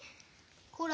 ほら